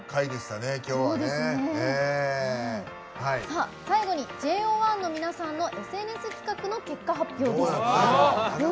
さあ最後にＪＯ１の皆さんのＳＮＳ企画の結果発表です。